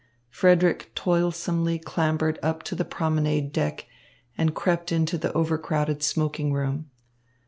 Frederick toilsomely clambered up to the promenade deck and crept into the overcrowded smoking room.